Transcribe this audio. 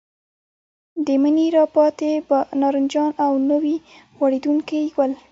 د مني راپاتې نارنجان او نوي غوړېدونکي ګل.